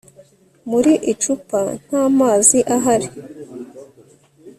Muri icupa nta mazi ahari